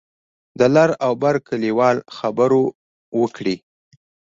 د لر او بر کلیوال خبرو وکړې.